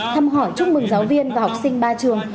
thăm hỏi chúc mừng giáo viên và học sinh ba trường